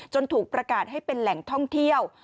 ถูกประกาศให้เป็นแหล่งท่องเที่ยว